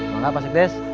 makasih seek des